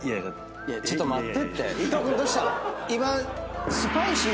いやちょっと待って！